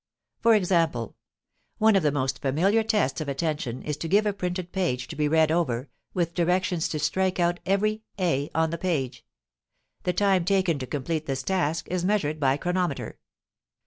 For example: one of the most familiar tests of attention is to give a printed page to be read over, with directions to strike out every a on the page; the time taken to complete this task is measured by chronometer.